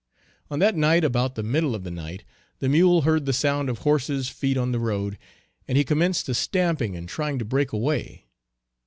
On that night about the middle of the night the mule heard the sound of horses feet on the road, and he commenced stamping and trying to break away.